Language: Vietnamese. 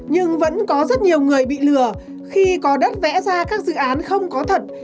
nhưng vẫn có rất nhiều người bị lừa khi có đất vẽ ra các dự án không có thật